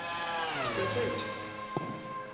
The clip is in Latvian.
Es tev teicu.